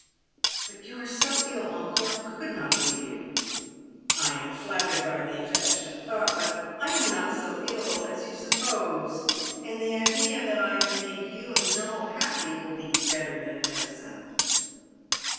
" But you are so ill, uncle — I could not leave you." " I am flattered by the affectionate thought, but I am not so ill as you suppose. Ajid the idea that I have made you and Joel happy will be better than medicine."